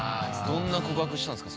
どんな告白したんすか？